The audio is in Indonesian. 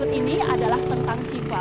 biar lain jadilahnya terbaik